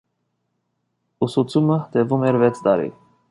Ուսուցումը տևում էր վեց տարի։